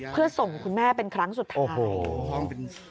เพื่อส่งคุณแม่เป็นครั้งสุดท้าย